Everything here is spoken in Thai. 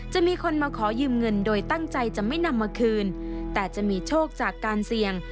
จะมีคนมาขอยืมเงินโดยตั้งใจจะไม่นำมาคืนแต่จะมีโชคจากการเสี่ยง